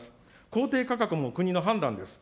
公定価格も国の判断です。